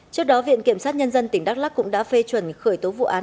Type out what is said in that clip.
trước đó viện kiểm sát nhân dân tỉnh đắk lắc cũng đã phê chuẩn khởi tố vụ án